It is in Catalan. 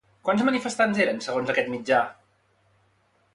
Quants manifestants eren, segons aquest mitjà?